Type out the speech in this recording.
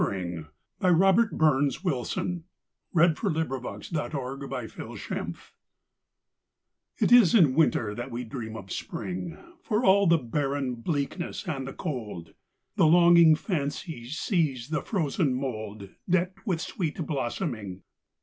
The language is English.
By Robert BurnsWilson 1047 It Is in Winter That We Dream of Spring IT is in Winter that we dream of Spring; For all the barren bleakness and the cold, The longing fancy sees the frozen mouldDecked with sweet blossoming.